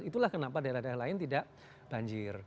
itulah kenapa daerah daerah lain tidak banjir